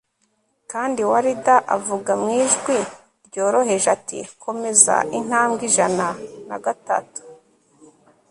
Kandi Warder avuga mu ijwi ryoroheje ati Komeza intambwe ijana na gatatu